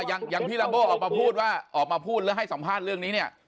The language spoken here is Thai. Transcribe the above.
อย่างพี่ลัมโบออกมาพูดว่าออกมาพูดแล้วให้สัมภาษณ์เรื่องนี้เนี่ย